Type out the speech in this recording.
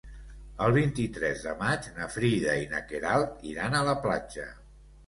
El vint-i-tres de maig na Frida i na Queralt iran a la platja.